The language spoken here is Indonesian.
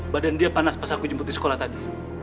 badan dia panas pas aku jemput di sekolah tadi